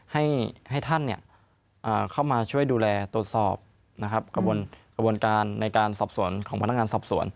ให้ท่านเข้ามาช่วยดูแลตรวจสอบนะครับกระบวนการในการสอบสวนของพนักงานสอบสวน